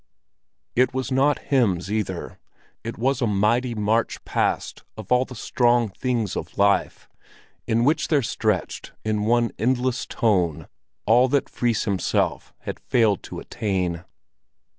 It was not hymns, either; it was a mighty march past of the strong things of life, in which there stretched, in one endless tone, all that Fris himself had failed to attain.